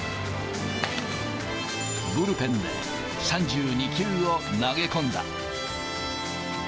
ブルペンで３２球を投げ込んだ。